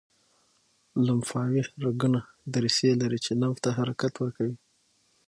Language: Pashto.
لمفاوي رګونه دریڅې لري چې لمف ته حرکت ورکوي.